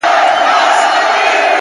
هڅاند انسان محدودیت نه مني!.